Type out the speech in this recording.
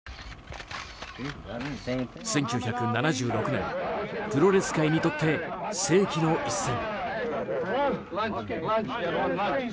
１９７６年プロレス界にとって世紀の一戦。